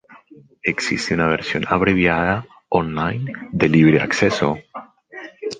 Existe una versión, abreviada, online de libre acceso.